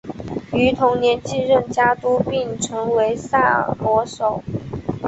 于同年继任家督并成为萨摩守。